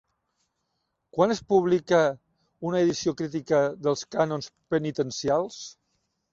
Quan es publica una edició crítica dels cànons penitencials?